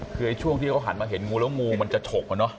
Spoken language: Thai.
คือช่วงที่เขาหันมาเห็นงูแล้วงูมันจะฉกอะเนาะ